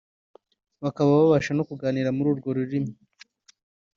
bakaba babasha no kuganira muri urwo rurimi